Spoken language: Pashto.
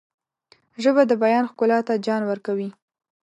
ژبه د بیان ښکلا ته جان ورکوي